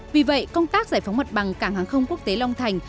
vì vậy công tác giải phóng mặt bằng cảng hàng không quốc tế long thành